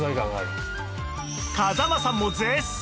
風間さんも絶賛！